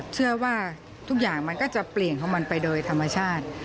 เชื่อว่าทุกอย่างมันก็จะเปลี่ยนของมันไปโดยธรรมชาติ